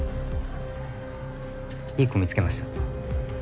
いい子見つけました